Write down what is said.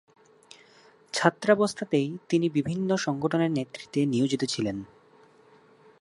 ছাত্রাবস্থাতেই তিনি বিভিন্ন সংগঠনের নেতৃত্বে নিয়োজিত ছিলেন।